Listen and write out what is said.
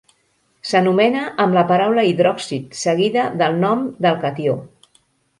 S'anomena amb la paraula hidròxid seguida del nom del catió.